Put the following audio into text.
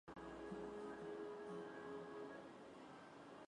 Segidan irina eta legamia gehitzen zaizkie.